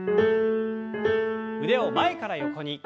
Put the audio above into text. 腕を前から横に。